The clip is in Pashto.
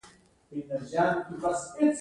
دا په تاریخي معلوماتو ولاړ دی.